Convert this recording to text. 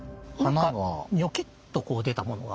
ニョキッとこう出たものが。